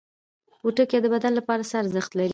پوټکی د بدن لپاره څه ارزښت لري؟